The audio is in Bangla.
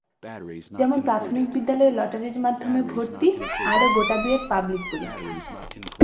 যেমন প্রাথমিক বিদ্যালয়ে লটারির মাধ্যমে ভর্তি, আরও গোটা দুয়েক পাবলিক পরীক্ষা।